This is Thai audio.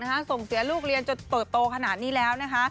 ที่ส่งเสียลูกเลี้ยนจนโตขนาดนี้แล้ว